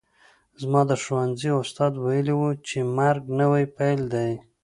زما د ښوونځي استاد ویلي وو چې مرګ نوی پیل دی